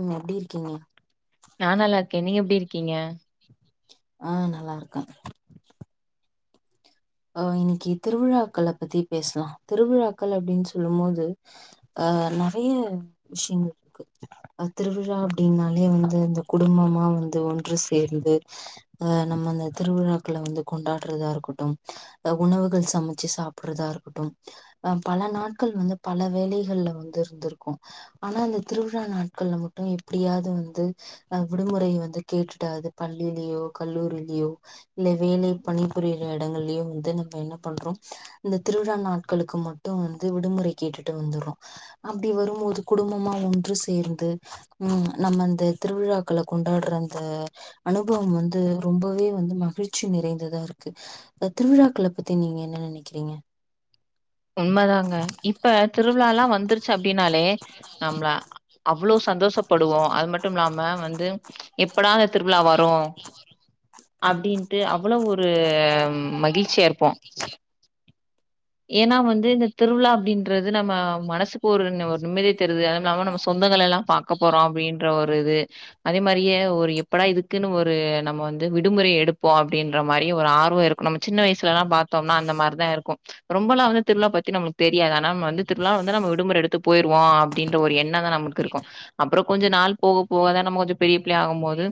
ம் எப்டி இருக்கீங்க நா நல்லா இருக்கே நீங்க எப்டி இருக்கீங்க ஆ நல்லா இருக்கே அ இன்னைக்கு திருவிழாக்கள பத்தி பேசலாம் திருவிழாக்கள அப்டின்னு சொல்லும் போது நிறைய விஷயங்கள் இருக்கு அ திருவிழா அப்டின்னாலே வந்து அந்த குடும்பமா வந்து ஒன்று சேர்ந்து அ நம்ம இந்த திருவிழாக்கள வந்து கொண்டாடுறதா இருக்கட்டும் அ உணவுகள் சமைச்சு சாப்பிடுறதா இருக்கட்டும் அ பல நாட்கள் வந்து பல வேலைகள்ல வந்து இருந்திருக்கும் ஆனா அந்த திருவிழா நாட்கள்ல மட்டும் எப்டியாவது வந்து அ விடுமுறைய வந்து கேட்டுட்டாவது பள்ளிலயோ கல்லூரிலயோ இல்ல வேலை பணிபுரியிற இடங்கள்லயும் வந்து நம்ம என்ன பண்றோம் இந்த திருவிழா நாட்களுக்கு மட்டும் வந்து விடுமுறை கேட்டுட்டு வந்துரும் அப்டி வரும் போது குடும்பமா ஒன்று சேர்ந்து ம் நம்ம அந்த திருவிழாக்கள கொண்டாடுற அந்த அனுபவம் வந்து ரொம்பவே வந்து மகிழ்ச்சி நிறைந்ததா இருக்கும் திருவிழாக்கள பத்தி நீங்க என்ன நினைக்கிறீங்க உண்மைதாங்க இப்ப திருவிழா எல்லா வந்துருச்சு அப்டின்னாலே நம்மள அப் எவ்வளோவ் சந்தோஷப்படுவோம் அது மட்டும் இல்லாம வந்து எப்படா அந்த திருவிழா வரும் அப்டின்ட்டு அவ்ளோ ஒரு மகிழ்ச்சியா இருப்போ ஏன்னா வந்து இந்த திருவிழா அப்டின்றது நம்ம மனசுக்கு ஒரு ஒரு நிம்மதிய தருது அதுவு இல்லாம நம்ம சொந்தங்கள் எல்லா பாக்க போறோம் அப்டின்ற ஒரு இது அதே மாரியே ஒரு எப்படா இதுக்குன்னு ஒரு நம்ம வந்து விடுமுறை எடுப்போ அப்டின்ற மாரி ஒரு ஆர்வம் இரு நம்ம சின்ன வயசுல எல்லா பாத்தோம்னா அந்த மாரிதா இருக்கும் ம்ச் ரொம்பலா வ திருவிா பத்தி நம தெரியாது ஆனா வந்து திருவிழா வந்து நம்ம விடுமுறை எடுத்து போயிருவோ அப்டின்ற ஒரு எண் ணம் தான் நம்மளுக்கு இருக்கும் அப்புறோ கொஞ்ச நாள் போக போகாதா நம்ம கொஞ்சோ பிள்ள ஆகும்போது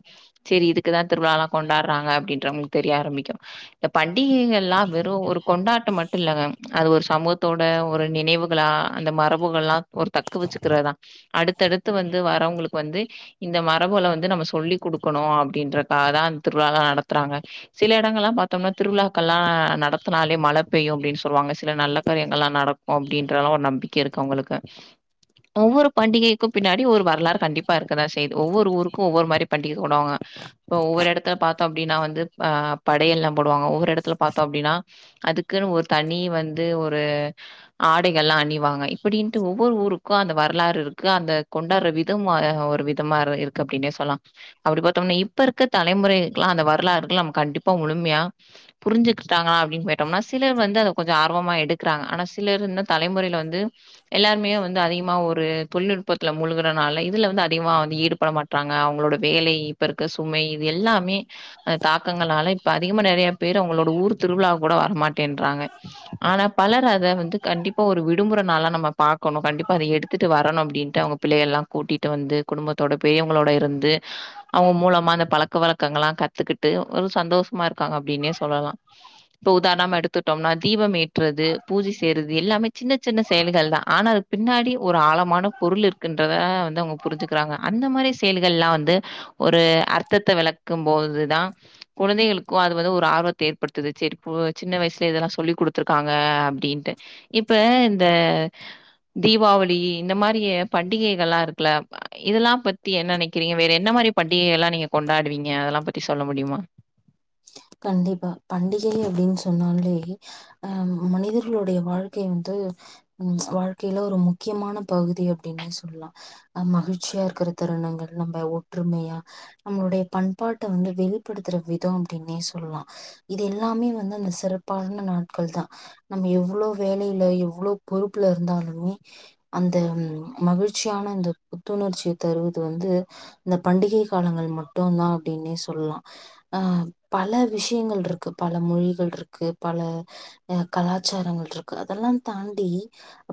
சேரி இதுக்குதா திருவிழாலா கொண்டாடுறாங்க அப்டின்ற தெரிய ஆரம்பிக்கும் இந்த பண்டிகைகள்ல்லா வெறும் ஒரு கொண்டாட்டம் ம ட்டு இல்லங்க அது ஒரு சமூகத்தோட ஒரு நினைவுகளா அந்த மரபுகள் எல்லா ஒரு தக்கு வச்சுக்கிறதுதா அடுத்தடுத்து வந்து வர்ரவங்களுக்கு வந்து இந்த மரபுகள வந்து நம்ம சொல்லி் கொடுக்கணு அப்டின்றக்காக தா அந்த திருவிழாலா நடத்துறாங்க சில இடங்கள் எல்லா பாத்தோம்னா திருவிழாக்கள் எல்லா நடத்தனாலே மழ பெய்யும் அப்டின்னு சொல்லுவாங்க சில நல்ல காரியங்கள் எல்லா நடக்கும் அப்படின்றது எல்லா ஒரு நம்பிக்கை இருக்கு அவங்களுக்கு ஒவ்வொரு பண்டிகைக்கும் பின்னாடி ஒரு வரலாறு கண்டிப்பா இருக்குத செய்து ஒவ்வொரு ஊருக்கும் ஒவ்வொரு மாரி பண்டிகை கொண்டாடுவாங்க இப்ப ஒவ்வொரு இடத்துல பாத்தோம் அப்டின்னா வந்து அ படையல் எல்லா போடுவாங்க ஒவ்வொரு இடத்துல பாத்தோம் அப்டின்னா அதுக்குன்னு ஒரு தனி வந்து ஒரு ஆடைகள் எல்லா அணிவாங்க இப்டின்ட்டு ஒவ்வொரு ஊருக்கும் அந்த வரலாறு இருக்கு அந்த கொண்டாடுற வித த்து மொ ஒரு விதமா இருக்கு அப்டின்னே சொல்லலா அப்டி பாத்தோம்னா இப்ப இருக்கிற தலைமுறைகில்லா அந்த வரலாறுகில்லா நம்ம கண்டிப்பா முழுமையா புரி்சக்கிட்டாங்களா அப்டினு போயிட்டோம்னா சிலர் வந்து அத கொஞ்சோ ஆர்வமா எடுக்கறாங்க ஆனா சிலர் இன்னு தலைமுறையில வந்து எல்லாருமே வந்து அதிகமா ஒரு தொழில்நுட்பத்துல முழுகறனால இதுல வந்து அதிகமா வந்து ஈடுபட மாட் டறாங்க அவங்களோட வேலை இப்ப இருக்க சுமை இது எல்லாமே அந்த தாக்கங்களால இப்ப அதிகமா நெறையா பேரு அவங்களோட ஊர் திருவிழா கூட வரமாட்டேன்றாங்க ஆனா பலர் அத வந்து கண்டிப்பா ஒரு விடுமுறை நாளாம் நம்ம பாக்கணு கண்டிப்பா அத எடுத்துட்டு வரணு அப்டின்னுட்டு அவங்க பிள்ளை எல்லா கூட்டிட்டு வந்து குடும்பத்தோட பெரியவங்களோட இருந்து அவங்க மூலமா அந்த பழக்க வழக்க எல்லா கத்துக்கிட்டு ஒரு சந்தோஷமா இருகாங்க அப்டின்னே சொல்லலா இப்போ உதாரணமா எடு த்துடோம்னா தீபம் ஏற்றுறது பூஜை செய்யறது எல்லாமே சின்ன சின்ன செயல்கள் தா ஆனா அதுக்கு பின்னாடி ஒரு ஆழமான பொருள் இருக்கின்றதா வந்து அவங்க புரிஞ்சுக்கிறாங்க அந்த மாரி செயல்கள் எல்லா வந்து ஒரு அர்த்தத்த விளக்கும் போதுதா குழந்தைகளுக்கு அது வந்து ஒரு ஆர்வத்த ஏற்படுத்துது செர் போ சின்ன வயசு இப்ப இதெல்லா சொல்லி் குடுத்துருக்காங்க அப்டின்ட்டு இப்ப இந்த தீபாவளி இந்த மாரிய பண்டிகைகள்லா இருக்குல இதெல்லா பத்தி என்ன நினைக்கிறிங்க வேற என்ன மாரி பண்டிகை எல்லா நீங்க கொண்டாடுவீங்க அதெல்லா பத்தி சொல்ல முடியுமா கண்டிப்பா பண்டிகை அப்டின்னு சொன்னாலே ஆ மனிதர்களுடைய வாழ்க்கை வந்து ம் ம்ச் வாழ்க்கையில ஒரு முக்கியமான பகுதி அப்டின்னே சொல்லலா அ மகிழ்ச்சியா இருக்கிற தருணங்கள் நம்ம ஒற்றுமையா நம்மளுடைய பண்பாட்ட வந்து வெளிப்படுத்துற விதோ அப்டின்னே சொ ல்லலா இது எல்லாமே வந்து அந்த சிறப்பான நாட்கள் தா நம்ம எவ்ளோ வேலையில எவ்ளோ பொறுப்புல இருந்தாலுமே அந்த மகிழ்ச்சியான அந்த புத்துணர்ச்சிய தருவது வந்து இந்த பண்டிகை காலங்கள் மட்டுதா அப்டின்னே சொல்லலா அ பல விஷயங்கள் இருக்கு பல மொழிகள் இருக்கு பல அ கலாச்சாரங்கள் இருக்கு அதெல்லா தாண்டி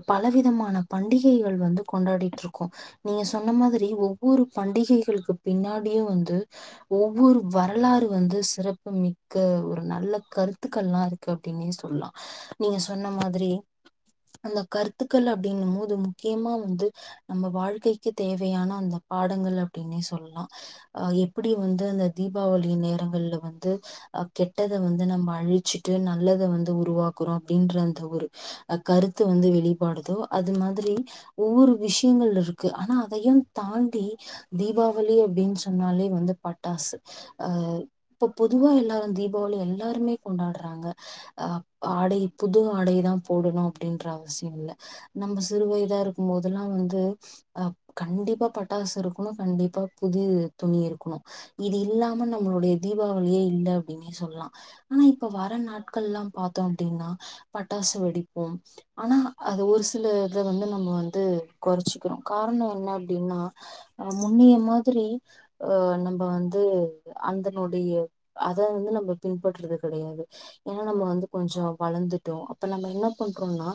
பலவிதமான பண்டிகைகள் வந்து கொண்டாடிட்ருக்கோ நீங்க சொன்ன மாதிரி ஒவ்வொரு பண்டிகைகளுக்கு பின்னாடியு வந்து ஒவ்வொரு வரலாறு வந்து சிறப்பு மிக்க ஒரு நல்ல கருத்துக்கல்லா இருக்கு அப்டின்னே சொல்லா நீங்க சொன்ன மாதிரி அந்த கருத்துக்கள் அப்டின்னும் போது முக்கியமா வந்து நம்ம வாழ்க்கைக்கு தேவையான அந்த பாடங்கள் அப்படின்னே சொல்லலா அ எப்படி வந்து அந்த தீபாவளி நேரங்கள்ல வந்து அ கெட்டத வந்து நம்ம அழிச்சுட்டு நல்லத வந்து உருவாக்கறோ அப்டின்ற அந்த ஒரு அ கருத்து வந்து வெளிப்பாடுதோ அது மாதிரி ஒவ்வொரு விஷயங்கள் இருக்கு ஆனா அதையும் தாண்டி தீபாவளி அப்டின்னு சொன்னாலே வந்து பட்டாசு அ இப்ப பொதுவா எல்லாரு தீபாவளி எல்லாருமே கொண்டாடுறாங்க அ ஆடை புது ஆடைதா போடணு அப்படின்ற அவசிய இல்ல நம்ம சிறு வயதா இருக்கும் போதெல்லா வந்து அ கண்டிப்பா பட்டாசு இருக்கணு அ கண்டிப்பா புது துணி இருக்கணு இது இல்லாம நம்மளுடைய தீபாவளியே இல்ல அப்டின்னே சொல்லலா ஆனா இப்ப வர நாட்கல்லா பாத்தோ அப்டின்னா பட்டாசு வெடிப்போம் ஆனா அது ஒரு சில இத வந்து நம்ம வந்து கொறச்சுக்கிறோ காரண என்ன அப்டின்னா அ முன்னைய மாதிரி அ நம்ப வந்து அந்த னுடைய அத வந்து நம்ம பின்பற்றது கெடையாது ஏன்னா நம்ம வந்து கொஞ்ச வளந்துட்டோ அப்ப நம்ம என்ன பண்றோனா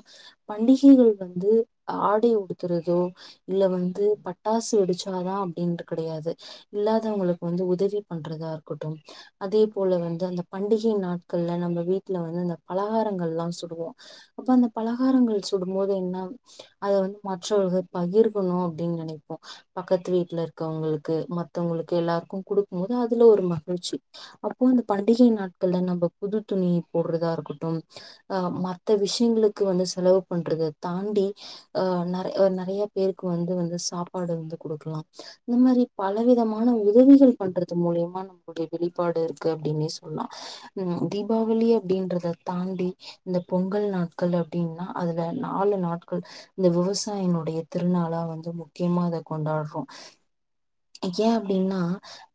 பண்டிகைகள் வந்து ஆடை உடுத்தறதோ இல்ல வந்து பட்டாசு வெடிச்சாதா அப்டின்ட்டு கெடையாது இல்லாதவங்களுக்கு வந்து உதவி பண்றதா இருக்கட்டும் அதே போல வந்து அந்த பண்டிகை நாட்கள்ல நம்ம வீட்ல வந்து அந்த பலகாரங்கல்லா சுடுவோ அப்ப அந்த பலகாரங்கள் சுடும்போது என்ன அத வந்து மற்றவர்கள் பகிர்கணு அப்டின்னு நெனைப்போ பக்கத்து வீட்ல இருக்கவங்களுக்கு மத்தவங்களுக்கு எல்லாருக்கு குடுக்கும் போது அதுல ஒரு ம கிழ்ச்சி அப்போ அந்த பண்டிகை நாட்கள்ல நம்ப புது துணி போடுறதா இருக்கட்டும் அ மத்த விஷயங்களுக்கு வந்து செலவு பண்றது தாண்டி அ நெற நெறைய பேருக்கு வந்து வந்து சாப்பாடு வந்து குடுக்கலாம் இந்த மாரி பல விதமான உதவிகள் பண்றது மூலியமா நம்முடைய வெளிப்பாடு இருக்கு அப்டின்னே சொல்லா ம் தீபாவளி அப்டின்றத தாண்டி இந்த பொங்கல் நாட்கள் அப்டின்னா அதுல நாலு நாட்கள் இந்த விவசாயினுடைய திருநாளா வந்து முக்கியமா அத கொண்டாடுறோ ஏ அப்டின்னா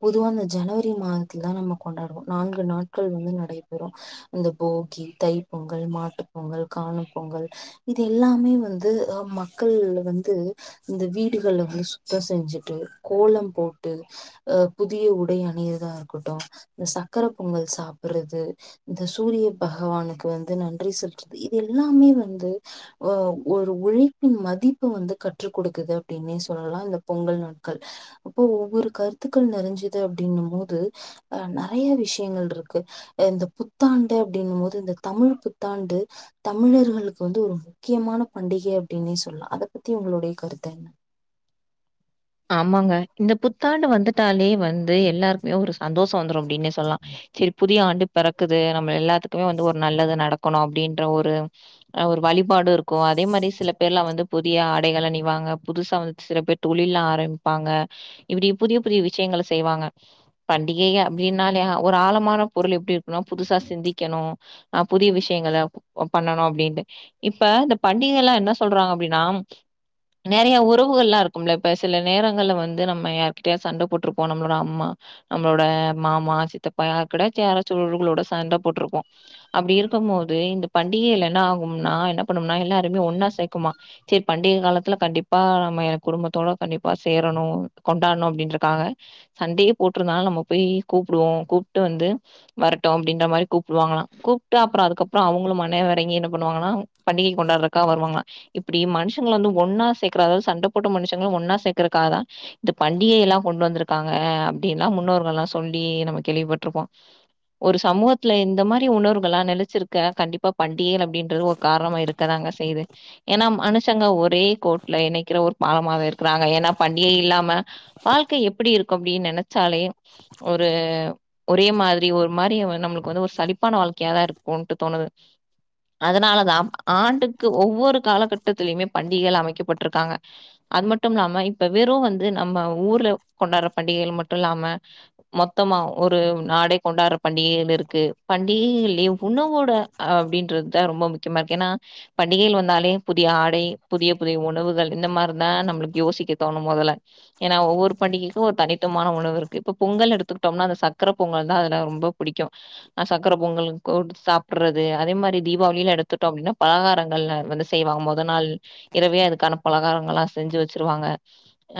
பொதுவா அந்த ஜனவரி மாதத்துலதா நம்ம கொண்டாடுவோ நான்கு நாட்கள் வந்து நடைபெறு இந்த போகி தை பொங்கல் மாட்டுப் பொங்கல் காணும் பொங்கல் இது எல்லாமே வந்து மக்கள் வந்து இந்த வீடுகள்ல வந்து சுத்த செஞ்சுட்டு கோலம் போட்டு அ புதிய உடை அணியதா இருக்கட்டு இந்த சக்கர பொங்கல் சாப்பர்றது இந்த சூரிய பகவானுக்கு வந்து நன்றி செல்றது இது எல்லாமே வந்து அ ஒரு உழைப்பின் மதிப்ப வந்து கற்று கொடுக்குது அப்டின்னே சொல்லலா இந்த பொங்கல் நா கு அப்போ ஒவ்வொரு கருத்துக்கள் நெறஞ்சது அப்டின்னு மோது அ நெறைய விஷ்யங்கள்ருக்கு அ இந்த புத்தாண்டு அப்டிங்க மோது இந்த தமிழ் புத்தாண்டு தமிழர்களுக்கு வந்து ஒரு முக்கியமான பண்டிகை அப்டின்னே சொல்லா அத பத்தி உங்ளுடைய கருத்தென்ன ஆமாங்க இந்த புத்தாண்டு வந்துட்டாலே வந்து எல்லார்க்குமே ஒரு சந்தோ ஷோ வந்துரு அப்டின்னே சொல்லா செரி புதிய ஆண்டு பெறக்குது நம்ம எல்லாத்துக்குமே வந்து ஒரு நல்லது நடக்கணு அப்டின்ற ஒரு அ ஒரு வழிபாடு இருக்கு அதே மாரி சில பேர்லா வந்து புதிய ஆடைகள் அணிவாங்க புதுசா வந்து சில பேர் தொழில்லா ஆரம்மிப்பாங்க இப்பிடி புதிய புதிய விஷ்யங்கள செய்வாங்க பண்டிகை அப்டின்னாலே ஒரு ஆழமான பொருள் எப்டி இர்க்குனா புதுசா சிந்திக்கணு அ புதிய விஷ்யங்கள அ பண்ணனு அப்டின்டு இப்ப இந்த பண்டிகல்லா என்ன சொல்றாங்க அப்டின்னா நெறைய உறவுகள்லா இருக்கும்ல இப்ப சில நேரங்கள்ல வந்து நம்ம யார்கிட்டயாது சண்ட போட்ருப்போ நம்ளோட அம்மா நம்ளோட மாமா, சித்தப்பா யார் கூடயாச்சு யாராச்சு ஒரு உறவுகளோட சண்ட போட்ருப்போ அப்டி இருக்கமோது இந்த பண்டிகைல என்ன ஆகும்னா என்ன பண்ணும்னா எல்லாரைமே ஒன்னா சேக்குமா சேர் பண்டிக காலத்துல கண்டிப்பா நம்ம எ குடும்பத்தோட கண்டிப்பா சேரணு கொண்டாட்ணு அப்டின்றக்காக சண்டையே போட்ருத்தாலு நம்ம போய் கூப்டுவோ கூப்ட்டு வந்து வரட்டு அப்டின்ற மாரி கூப்டுவாங்களா கூப்ட்டு அப்றோ அதுக்கப்றோ அவங்களு மன எறங்கி என்ன பண்ணுவாங்கனா பண்டிகை கொண்டாட்றக்கா வருவாங்க இப்பிடி மனுஷங்கள வந்து ஒன்னா சேக்கறத் அதாது சண்ட போட்ட மனுஷங்கள ஒன்னா சேக்கறக்காகதா இந்த பண்டிகையில்லா கொண்டு வந்திருக்காங்க அப்டின்லா முன்னோர்கள்லா சொல்லி நம்ம கேள்விப்பட்ருப்போ ஒரு சமூகத்துல இந்த மாரி உணர்வுகள்லா நெலச்சிருக்க கண்டிப்பா பண்டிகைள் அப்டின்றது காரணமா இருக்கதாங்க செய்து ஏனா மனுஷங்க ஒரே கோட்ல இணைக்கிற ஒரு பாலமாக இருக் கறாங்க ஏனா பண்டிகை இல்லாம வாழ்க்கை எப்பிடி இருக்கு அப்டின் நெனச்சாலே ஒரு ஒரே மாதிரி ஒரு மாரி அ நம்ளுக்கு வந்து ஒரு சலிப்பான வாழ்க்கையாதா இருக்குன்ட்டு தோணுது அதனாலதா ஆண்டுக்கு ஒவ்வொரு காலகட்டத்திலயுமே பண்டிகைலா அமைக்கப்பட்ருக்காங்க அது மட்டுமில்லாம இப்ப வெறு வந்து நம்ம ஊர்ல கொண்டாட்ற பண்டிகைகள் மட் டு இல்லாம மொத்தமா ஒரு நாடே கொண்டாட்ற பண்டிகைகள் இருக்கு பண்டிகைலியு உணவோட அப்டின்றத் தா ரொம்ப முக்கியமா இருக்கு ஏனா பண்டிகைகள் வந்தாலே புதிய ஆடை புதிய புதிய உணவுகள் இந்த மார தா நம்ளுக் யோசிக்க தோணு மொதல ஏனா ஒவ்வொரு பண்டிகைக்கு ஒரு தனித்துவமான உணவு இருக்கு இப்ப பொங்கல்னு எடுத்துக்கிட்டோம்னா அந்த சக்கர பொங்கல் தா அதுல ரொம்ப புடிக்கு அ சக்கர பொங்கல் குடுத் சாப்பிட்றது அதே மாரி தீபாவளில எடுத்துட்டோ அப்டினா பலகாரங்கள் அ வந்து செய்வாங்க மொத நாள் இரவே அதுக்கான பலகாரங்கள்லா செஞ்சு வெச்சிருவாங்க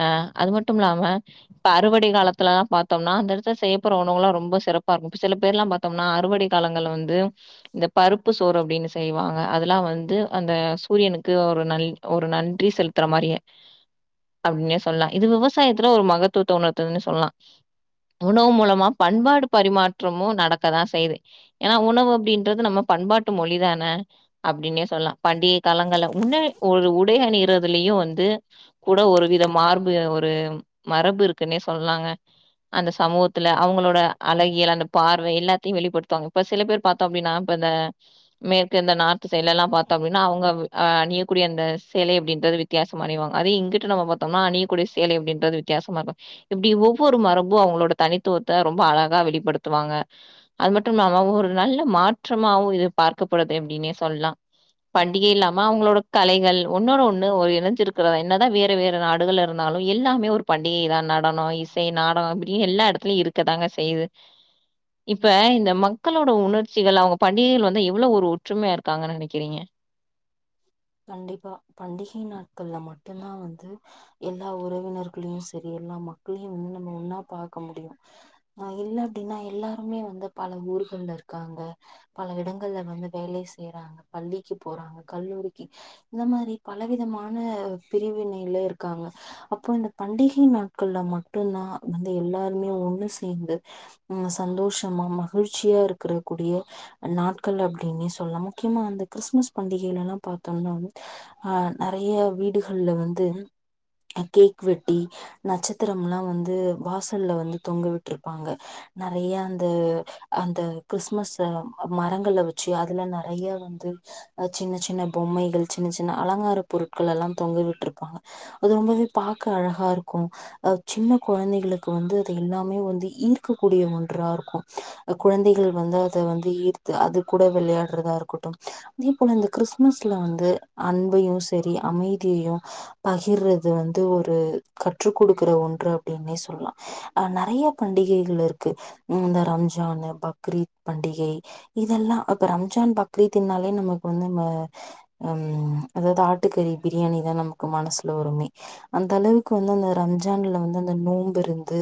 அ அது மட்டுமில்லாம இப்ப அறுவடை காலத்துலல்லா பாத்தம்னா அந்த எடத்துல செய்யப்போற உணவுகள்லா ரொம்ப சிறப்பா இருக்கு இப்ப சில பேர்லா பாத் தம்னா அறுவடை காலங்கள்ல வந்து இந்த பருப்பு சோறு அப்டினு செய்வாங்க அதெல்லா வந்து அந்த சூரியனுக்கு ஒரு நல் ஒரு நன்றி செலுத்தற மாரியே அப்டின்னே சொல்லா இது விவசாயத்துல ஒரு மகத்துவத்த உணர்த்துதுன்னு சொல்லா உணவு மூலமா பண்பாடு பரிமாற்றமு நடக்கதா செய்து ஏனா உணவு அப்டின்றது நம்ம பண்பாட்டு மொழி தான அப்டின்னே சொல்லா பண்டிகை காலங்கல்ல முன்ன ஒரு உடை அணியிறதுலயு வந்து கூட ஒரு வித மார்பு ஒரு மரபு இருக்குனே சொல்லாங்க அந்த சமூகத்துல அவுங்ளோட அழகியல் அந்த பார்வை எல்லாத்தியு வெளிப்படுத்துவாங் இப்ப சில பேர் பாத் தோபினா இப்ப இந்த மேற்கு இந்த நார்த் சைட்லலா பாத்தோ அப்டின்னா அவுங்க அணியக்கூடிய அந்த சேலை அப்டின்றது வித்தியாசமா அணிவாங் அத இங்கிட்டு நம்ம பாத்தோம்னா அணியக்கூடிய சேலை அப்டின்றது வித்தியாசமாருக்கு இப்டி ஒவ்வொரு மரபு அவுங்களோட தனித்துவத்த ரொம்ப அழகா வெளிப்படுத்துவாங்க அது மட்டுமில்லாம ஒரு நல்ல மாற்றமாவு இது பார்க்கப்படுது அப்டின்னே சொல்லா பண்டிகை இல்லாம அவுங்களோட கலைகள் ஒன்னோட ஒண்ணு ஒரு இணஞ்சிருக் கு என்னதா வேற வேற நாடுகள் இருந்தாலு எல்லாமே ஒரு பண்டிகை தா நடனோ இசை நாடக அப்டி எல்லா இடத்துலியு இருக் க்கதாங்க செய்யுது இப்ப இந்த மக்களோட உணர்ச்சிகள் அவுங்க பண்டிகைகள் வந்து எவ்ளோ ஒரு ஒற்றுமையா இருக்காங்கன் நெனக்கிறீங்க கண்டிப்பா பண்டிகை நாட்கள்ல மட்டுந்தா வந்து எல்லா உறவினர்களையு செரி எல்லா மக்களையு உன்னும உன்னா பாக்க முடியு ஆ இல்லாட்டினா எல்லாருமே வந்து பல ஊர்கள்ல இருக்காங்க பல இடங்கள்ல வந்து வேலை செய்யறாங்க பள்ளிக்கு போறாங்க கல்லூரிக் இந்த மாரி பல விதமான பிரிவினைலே இருக்காங்க அப்போ இந்த பண்டிகை நாட்கள்ல மட்டுதா வந்து எல்லாருமே ஒண்ணு சேர்ந்து அ சந்தோஷமா மகிழ்ச்சியா இருக்கிற கூடிய நாட்கள் அப்டினே சொல்லா முக்கியமா அந்த கிறிஸ்மஸ் பண்டிகைளலா பாத்தோம்னா ஆ நெறைய வீடுகள்ல வந்து கேக் வெட்டி நட்சத்திரம்லா வந்து வாசல்ல வந்து தொங்க விட்ருப்பாங்க நறைய அந்த அந்த கிறிஸ்மஸ் மரங்கள்ல வச்சு அதுல நறைய வந்து சின்ன சின்ன பொம்மைகள் சின்ன சின்ன அலங்கார பொருட்கள் எல்லாம் தொங்க விட்ருப்பாங்க அது ரொம்பவே பாக்க அழகார்க்கு அ சின்ன கொழந்தைகளுக்கு வந்து அது எல்லாமே வந்து ஈர்க்க கூடிய ஒன்றார்க்கு குழந்தைகள் வந்து அத வந்து ஈர்த்து அது கூட விளையாட்றதா இருக்கட்டு அதே போல இந்த கிறிஸ் மிஸ்ல வந்து அன்பையு செரி அமைதியையு பகிர்றது வந்து ஒரு கற்று குடுக்கிற ஒன்று அப்டின்னே சொல்லா அ நறைய பண்டிகைகள் இருக்கு இந்த ரம்ஜானு பக்ரீத் பண்டிகை இதெல்லா அப்ப ரம்ஜான் பக்ரீத்தின்னாலே நமக்கு வந்து நம்ம ம் அதாவது ஆட்டுக்கறி பிரியாணி தா நமக்கு மனசுல வருமே அந்த அளவுக்கு வந்து அந்த ரம்ஜான்ல வந்து அந்த நோம்பிருந்து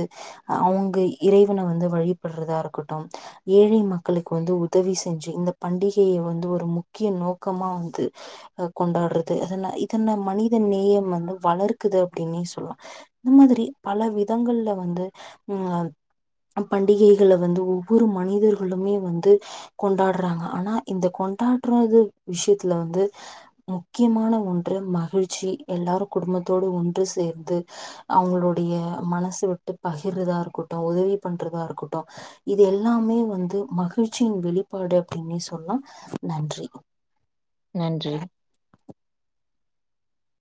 அவுங்க இறைவன வந்து வழிபட்றதா இருக்கட்டு ஏழை மக்களுக்கு வந்து உதவி செஞ்சு இந்த பண்டிகைய வந்து ஒரு முக்கிய நோக் கமா வந்து கொண்டாட்றது அதன இதனா மனிதநேயம் வந்து வளர்க்குது அப்டின்னே சொல்லா இந்த மாதிரி பல விதங்கள்ல வந்து பண்டிகைகள வந்து ஒவ்வொரு மனிதர்களுமே வந்து கொண்டாட்றாங்க ஆனா இந்த கொண்டாட்றது விஷயத்துல வந்து முக்கியமான ஒன்று மகிழ்ச்சி எல்லாரு குடும்பத்தோடு ஒன்று சேர்ந்து அவுங்களுடைய மனசு விட்டு பகிர்றதா இருக்கட்டு உதவி பண்றதா இருக்கட்டு இது எல்லாமே வந்து மகிழ்ச்சியின் வெளிப்பாடு அப்டின்னே சொல்லா நன்றி நன்றி